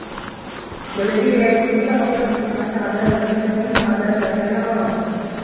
وَالَّذينَ يَقولونَ رَبَّنَا اصرِف عَنّا عَذابَ جَهَنَّمَ إِنَّ عَذابَها كانَ غَرامًا